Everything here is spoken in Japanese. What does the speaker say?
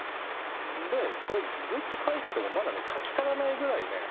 でずっと描いててもまだ描き足らないぐらいね